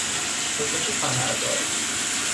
تشک فنردار